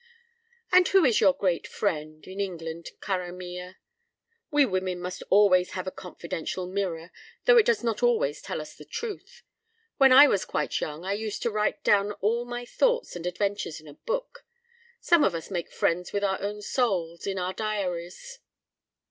"And who is your great friend—in England, cara mia? We women must always have a confidential mirror, though it does not always tell us the truth. When I was quite young I used to write down all my thoughts and adventures in a book. Some of us make friends with our own souls—in our diaries."